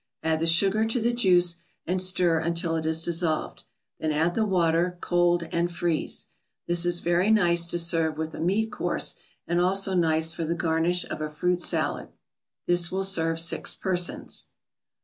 Add the sugar to the juice and stir until it is dissolved; then add the water, cold, and freeze. This is very nice to serve with a meat course, and also nice for the garnish of a fruit salad. This will serve six persons.